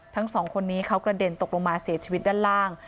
ทั้งสองคนนี้เขากระเด็นตกลงมาเสียชีวิตด้านล่าง